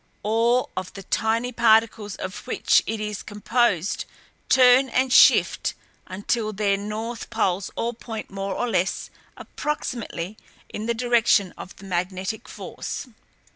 All of the tiny particles of which it is composed turn and shift until their north poles all point more or less approximately in the direction of the magnetic force.